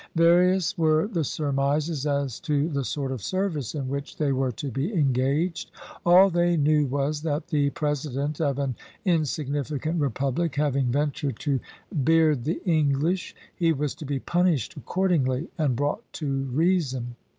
Various were the surmises as to the sort of service in which they were to be engaged. All they knew was that the President of an insignificant republic having ventured to "beard the English," he was to be punished accordingly, and brought to reason.